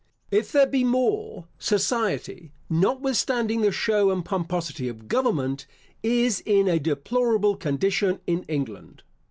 If there be more, society, notwithstanding the show and pomposity of government, is in a deplorable condition in England.